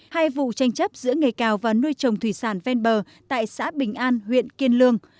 hai vụ tranh chấp giữa nghề cào và nuôi trồng thủy sản ven bờ tại xã bình an huyện kiên lương